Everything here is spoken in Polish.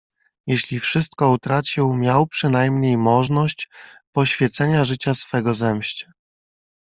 "Jeśli wszystko utracił, miał przynajmniej możność poświecenia życia swego zemście."